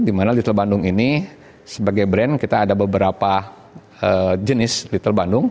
dimana little bandung ini sebagai brand kita ada beberapa jenis little bandung